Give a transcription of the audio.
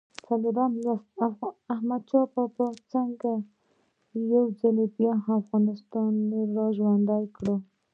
څلورم لوست: احمدشاه بابا څنګه یو ځل بیا افغانستان را ژوندی کړ؟